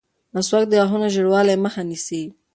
مسواک د غاښونو د ژېړوالي مخه نیسي.